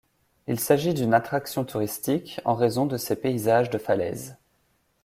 Il s'agit d'une attraction touristique en raison de ses paysages de falaise.